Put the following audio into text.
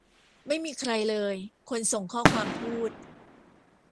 ไม่มีใครเลย คนส่งข้อความพูด